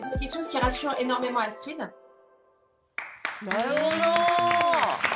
なるほど。